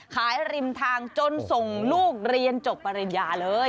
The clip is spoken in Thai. ริมทางจนส่งลูกเรียนจบปริญญาเลย